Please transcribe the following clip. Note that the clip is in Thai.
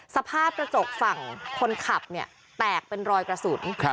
สภาพกระจกฝั่งคนขับเนี่ยแตกเป็นรอยกระสุน